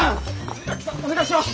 庭木さんお願いします！